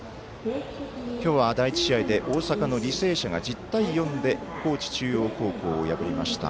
今日は第１試合で大阪の履正社が１０対４で高知中央高校を破りました。